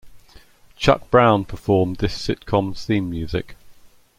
Chuck Brown performed this sitcom's theme music.